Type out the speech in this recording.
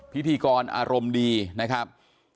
พิธีกรอารมณ์ดีนะครับ